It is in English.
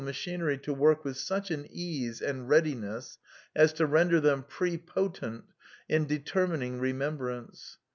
machinery to work with such an ease and readiness as tcr^ \ render them pre potent in determining remembrance.